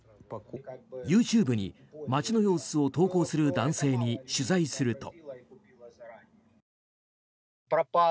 ＹｏｕＴｕｂｅに街の様子を投稿する男性に取材すると。